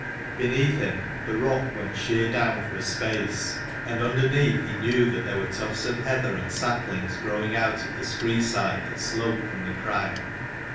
Beneath him the rock went sheer down for a space ; and under neath, he knew that there were tufts of heather and saplings growing out of the scree side that sloped from the crag.